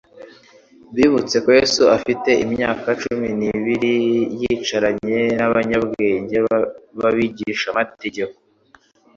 Bibutse ko Yesu afite imyaka cumi n'ibiri yicaranye n'abanyabwenge b'abigishamategeko,